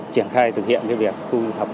triển khai thực hiện việc thu thập